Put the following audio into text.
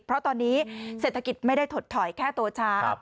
เพราะตอนนี้เศรษฐกิจไม่ได้ถดถอยแค่ตัวช้า